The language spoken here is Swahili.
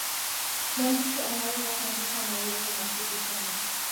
mwandishi anaweza kuandika maelezo mafupi sana